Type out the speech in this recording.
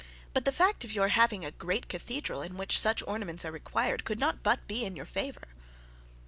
But the fact of your having a great cathedral in which such ornaments are required, could not but be in your favour.'